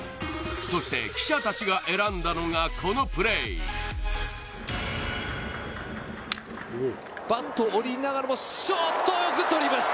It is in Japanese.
そして記者たちが選んだのがこのプレーバット折りながらもショートよく取りました